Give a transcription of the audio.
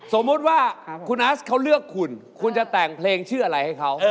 สมมุติว่าคุณอัสเขาเลือกคุณคุณจะแต่งเพลงชื่ออะไรให้เขา